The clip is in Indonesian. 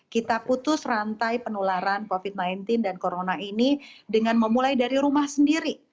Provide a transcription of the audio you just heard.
kita putus rantai penularan covid sembilan belas dan corona ini dengan memulai dari rumah sendiri